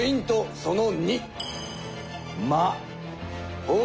その２。